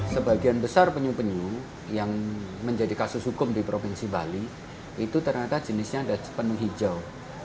sebagian besar penyu penyu yang menjadi kasus hukum di provinsi bali itu ternyata jenisnya ada penuh hijau